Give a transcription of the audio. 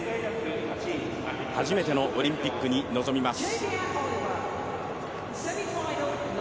初めてのオリンピックに臨みます。